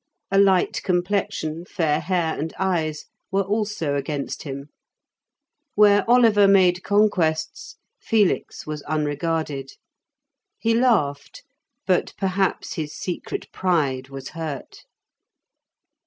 A light complexion, fair hair and eyes, were also against him; where Oliver made conquests, Felix was unregarded. He laughed, but perhaps his secret pride was hurt.